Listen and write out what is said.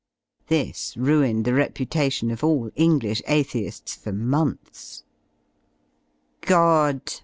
'" This ruined the reputation of all English Athcifts for months! God